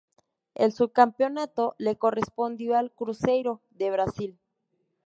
El subcampeonato le correspondió al Cruzeiro, de Brasil.